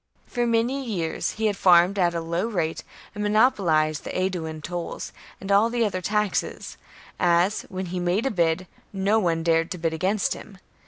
For many years he had farmed at a low rate and monopolized the Aeduan tolls and all the other taxes, as, when he made a bid, no one dared to bid against him.